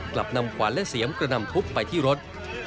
กลับนำขวานและเสียมกระนำทุบไปที่รถ